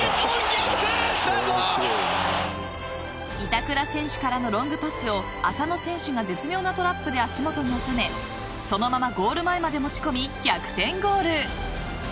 板倉選手からのロングパスを浅野選手が絶妙なトラップで足元に収め、そのままゴール前までもち込み逆転ゴール。